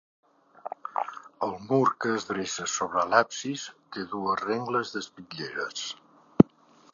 El mur que es dreça sobre l'absis té dues rengles d'espitlleres.